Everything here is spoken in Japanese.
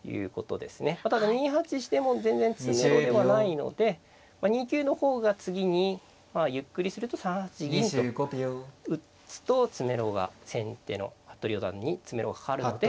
ただ２八にしても全然詰めろではないので２九の方が次にまあゆっくりすると３八銀と打つと詰めろが先手の服部四段に詰めろがかかるので。